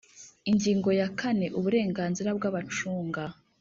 Ingingo ya kane Uburenganzira bw abacunga